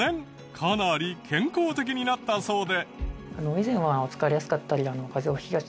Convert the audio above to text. かなり健康的になったそうで。